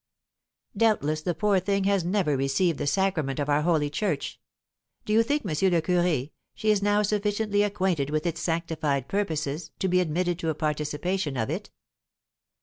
"Doubtless the poor thing has never received the sacrament of our holy church. Do you think, M. le Curé, she is now sufficiently acquainted with its sanctified purposes to be admitted to a participation of it?"